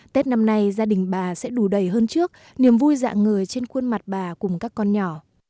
tết năm nay gia đình bà sẽ đủ đầy hơn trước niềm vui dạng người trên khuôn mặt bà cùng các con nhỏ